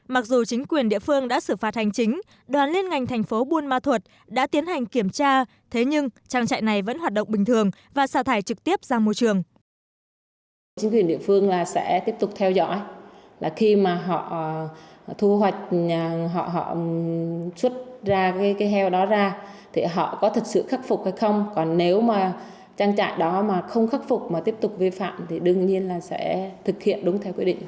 mặc dù chính quyền địa phương đã xử phạt hành chính đoàn liên ngành thành phố buôn ma thuột đã tiến hành kiểm tra thế nhưng trang trại này vẫn hoạt động bình thường và xào thải trực tiếp ra môi trường